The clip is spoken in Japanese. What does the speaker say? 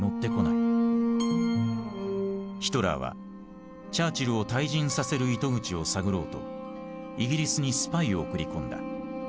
ヒトラーはチャーチルを退陣させる糸口を探ろうとイギリスにスパイを送り込んだ。